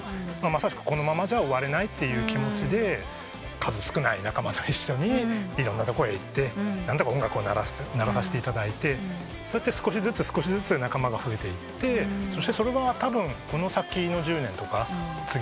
まさしくこのままじゃ終われないっていう気持ちで数少ない仲間と一緒にいろんなとこへ行って何とか音楽を鳴らせていただいてそうやって少しずつ少しずつ仲間が増えていってそしてそれはたぶんこの先の１０年とか次の１０年。